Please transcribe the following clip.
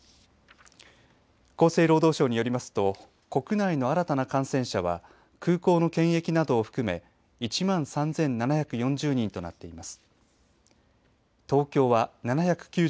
厚生労働省によりますと国内の新たな感染者は空港の検疫などを含め１万３７４０人となっています。